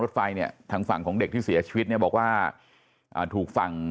ไฟเนี่ยทางฝั่งของเด็กที่เสียชีวิตเนี่ยบอกว่าอ่าถูกฝั่ง